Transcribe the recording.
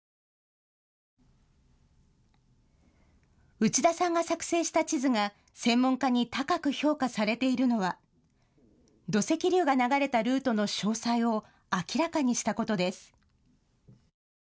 内田さんが作成した地図が専門家に高く評価されているのは土石流が流れたルートの詳細を明らかにしたことです。